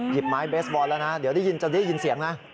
หยิบไม้เบสบอลแล้วนะเดี๋ยวจะได้ยินเสียงนะ